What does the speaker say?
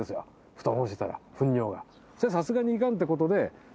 それはさすがにいかんってことで。